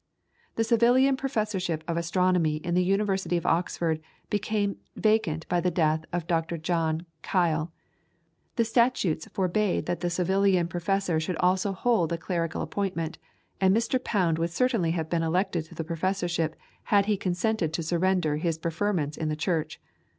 The Savilian Professorship of Astronomy in the University of Oxford became vacant by the death of Dr. John Keill. The statutes forbade that the Savilian Professor should also hold a clerical appointment, and Mr. Pound would certainly have been elected to the professorship had he consented to surrender his preferments in the Church.